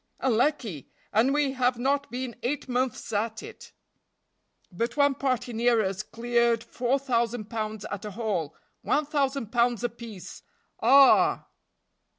"Unlucky! and we have not been eight months at it." "But one party near us cleared four thousand pounds at a haul; one thousand pounds apiece ah!"